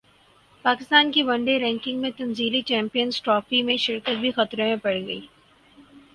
پاکستان کی one day ranking میں تنزلی چیمپئنز ٹرافی میں شرکت بھی خطرے میں پڑگئی